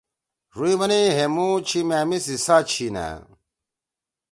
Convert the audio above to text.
ڙُوئں بنَئی: ”ہے مُو چھی مأمی سی ساہ چھی نأ!